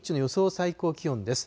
最高気温です。